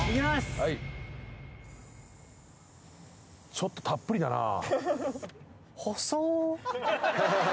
・ちょっとたっぷりだなぁ。